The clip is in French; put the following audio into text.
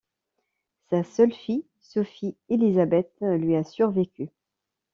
Sa seule fille, Sophie Élisabeth, lui a survécu.